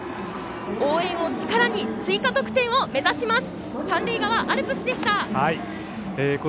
応援を力に追加得点を目指します。